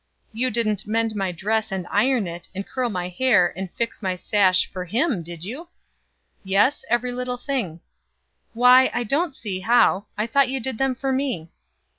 "You didn't mend my dress and iron it, and curl my hair, and fix my sash, for him, did you?" "Yes; every little thing." "Why, I don't see how. I thought you did them for me."